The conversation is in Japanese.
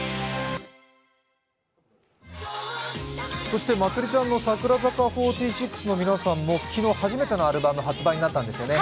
そしてまつりちゃんの櫻坂４６の皆さんも昨日、初めてのアルバム、発売になったんですよね？